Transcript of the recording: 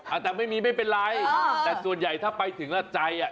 อาจจะไม่มีไม่เป็นไรค่ะแต่ส่วนใหญ่ถ้าไปถึงแล้วใจอ่ะ